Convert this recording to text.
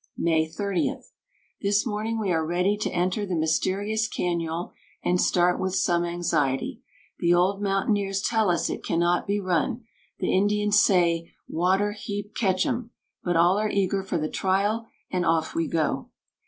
"May 30. This morning we are ready to enter the mysterious cañon, and start with some anxiety. The old mountaineers tell us it cannot be run; the Indians say, 'Water heap catch 'em;' but all are eager for the trial, and off we go."